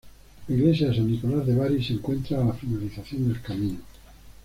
La Iglesia de San Nicolás de Bari se encuentra a la finalización del camino.